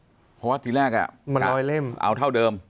เพราะว่าตีแรกเอาเท่าเดิม